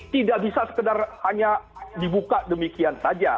tidak bisa sekedar hanya dibuka demikian saja